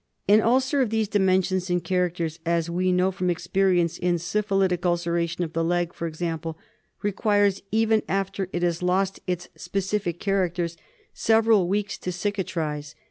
An ulcer of these dimen sions and characters, as we know from experience in syphilitic ulceration of the leg for example, requires, even after it has lost its specific characters, several weeks to cicatrise.